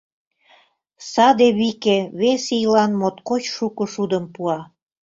Саде вике вес ийлан моткоч шуко шудым пуа.